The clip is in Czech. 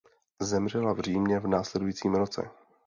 Zemřela v Římě v následujícím roce.